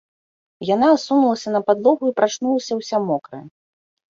Яна асунулася на падлогу і прачнулася ўся мокрая.